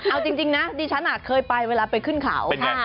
เอาจริงนะดิฉันเคยไปเวลาไปขึ้นเขา